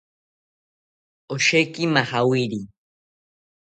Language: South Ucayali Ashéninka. Osheki majawiri